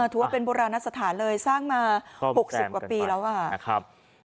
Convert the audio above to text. ถือว่าเป็นโบราณสถานเลยสร้างมา๖๐กว่าปีแล้วนะครับ